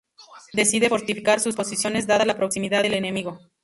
Decide fortificar sus posiciones dada la proximidad del enemigo.